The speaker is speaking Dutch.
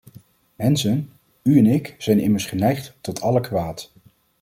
Mensen, u en ik, zijn immers geneigd tot alle kwaad.